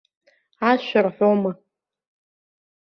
Ашәа рҳәома.